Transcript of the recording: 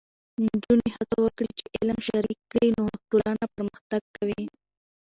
نجونې هڅه وکړي چې علم شریک کړي، نو ټولنه پرمختګ کوي.